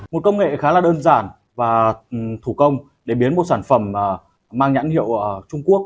một công nghệ khá là đơn giản và thủ công để biến một sản phẩm mang nhãn hiệu trung quốc